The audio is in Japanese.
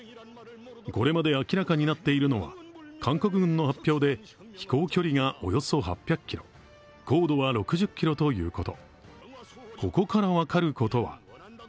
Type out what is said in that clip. これまで明らかになっているのは韓国軍の発表で飛行距離がおよそ８００ｋｍ、高度は６０ｋｍということ。